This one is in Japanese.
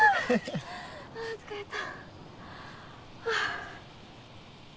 あ疲れた